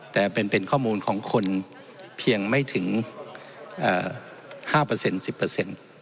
แต่เป็นข้อมูลของคนเพียงไม่ถึง๕๑๐เปอร์เซ็นต์